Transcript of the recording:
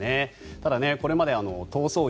ただ、これまで逃走劇